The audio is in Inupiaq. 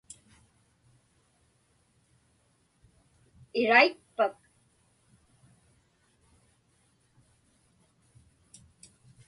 Iraitpak?